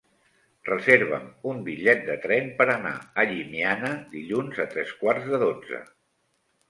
Reserva'm un bitllet de tren per anar a Llimiana dilluns a tres quarts de dotze.